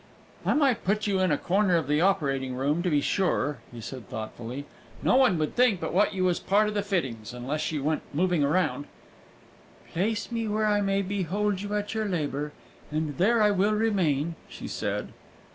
"I might put you in a corner of the operating room, to be sure," he said thoughtfully. "No one would think but what you was part of the fittings, unless you went moving about." "Place me where I may behold you at your labour, and there I will remain," she said.